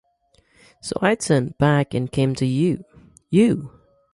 So I turned back and came to you — you.